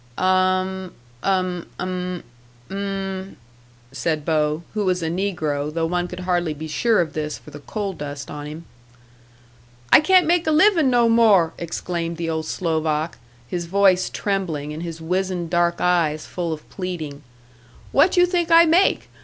"Um m m mum," said Bo, who was a negro though one could hardly be sure of this for the coal dust on him. "I can't make a living no more!" exclaimed the old Slovak, his voice trembling and his wizened dark eyes full of pleading. "What you think I make?